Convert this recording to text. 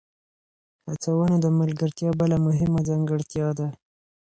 هڅونه د ملګرتیا بله مهمه ځانګړتیا ده.